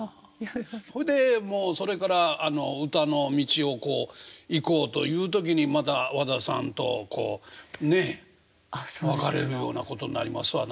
それでもうそれから歌の道を行こうという時にまた和田さんとこうねっ別れるようなことになりますわな。